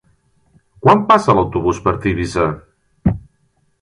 Quan passa l'autobús per Tivissa?